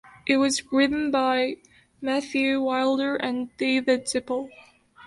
It was written by Matthew Wilder and David Zippel.